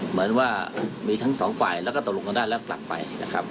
เหมือนว่ามีทั้งสองฝ่ายแล้วก็ตกลงกันได้แล้วกลับไปนะครับ